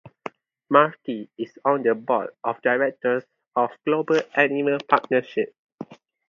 Mackey is on the Board of Directors of Global Animal Partnership.